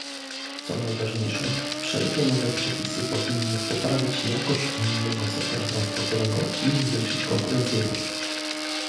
Co najważniejsze, wszelkie nowe przepisy powinny poprawić jakość unijnego sektora transportowego i zwiększyć konkurencyjność